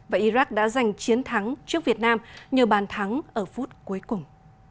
và iraq đã giành chiến thắng trước việt nam nhờ bàn thắng ở phút cuối cùng